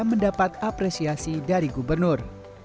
mendapat apresiasi dari gubernur